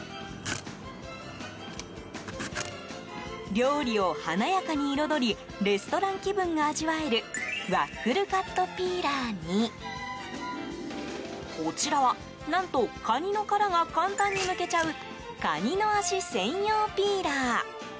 料理を華やかに彩りレストラン気分が味わえるワッフルカットピーラーにこちらは、何とカニの殻が簡単にむけちゃうカニの足専用ピーラー。